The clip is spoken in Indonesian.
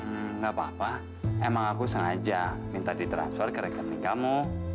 hmm gak papa emang aku sengaja minta di transfer ke rekening kamu